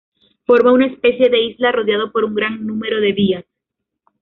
Forma una especie de isla rodeado por un gran número de vías.